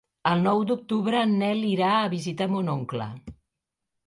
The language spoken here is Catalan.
El nou d'octubre en Nel irà a visitar mon oncle.